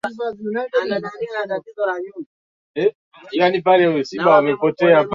Ingawaje dhambi, makosa yangu, Yesu alinipenda wa kwanza